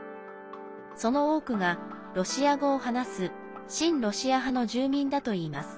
その多くがロシア語を話す親ロシア派の住民だといいます。